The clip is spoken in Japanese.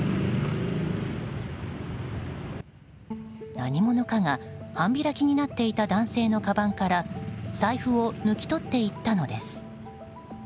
何者かが、半開きになっていた男性のかばんから財布を抜き取っていったのです。